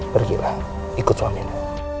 pergilah ikut suamimu